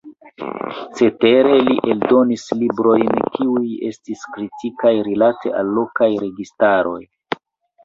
Cetere li eldonis librojn kiuj estis kritikaj rilate al lokaj registaroj.